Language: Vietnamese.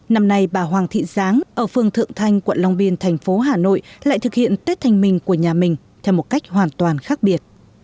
năm nay bà hoàng thị giáng ở phương thượng thanh quận long biên thành phố hà nội lại thực hiện tết thanh minh của nhà mình theo một cách hoàn toàn khác biệt